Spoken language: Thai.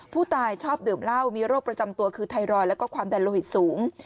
ผู้ตายชอบดื่มเหล้ามีโรคประจำตัวคือไทรอยด์แล้วก็ความดันโลหิตสูง